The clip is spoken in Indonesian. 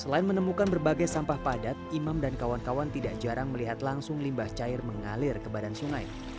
selain menemukan berbagai sampah padat imam dan kawan kawan tidak jarang melihat langsung limbah cair mengalir ke badan sungai